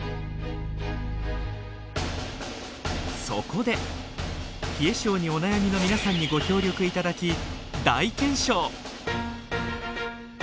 そこで冷え症にお悩みの皆さんにご協力頂き大検証！